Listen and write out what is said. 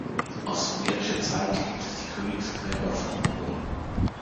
Aus sumerischer Zeit gibt es die Königsgräber von Ur.